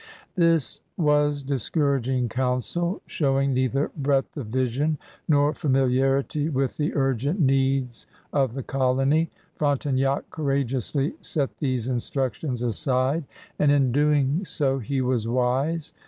This was discouraging counsel, showing neither breadth of vision nor familiarity with the urgent needs of the colony. Frontenac courageously set these instructions aside, and in doing so he was wise.